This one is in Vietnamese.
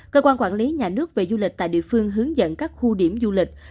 cơ quan quản lý nhà nước về du lịch tại địa phương hướng dẫn các khu điểm du lịch